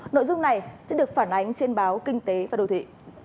nội dung này sẽ được phản ánh trên báo kinh tế và đầu thị